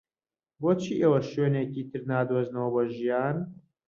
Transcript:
بۆچی ئێوە شوێنێکی تر نادۆزنەوە بۆ ژیان؟